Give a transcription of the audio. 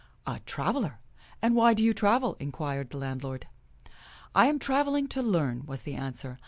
" A traveler ! And why do you travel ?" inquired the landlord. " I am traveling to learn," was the answer.